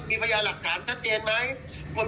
มีพยานหลักฐานชัดเจนไหม